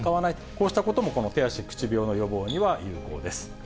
こうしたことも、この手足口病の予防には有効です。